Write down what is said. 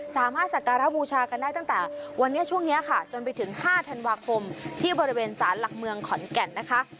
สามารถสักการะบูชากันได้ตั้งแต่วันแค่ช่วงนี้ค่ะจนไปถึง๕ทานวาคมที่บริเวณสารหลักเมืองของได้ค่ะ